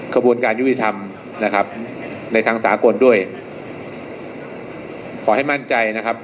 กระบวนการยุติธรรมนะครับในทางสากลด้วยขอให้มั่นใจนะครับ